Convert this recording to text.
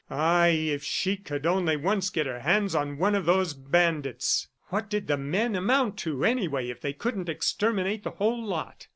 Ay, if she could only once get her hands on one of those bandits! ... What did the men amount to anyway if they couldn't exterminate the whole lot?